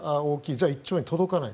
じゃあ１兆円届かない。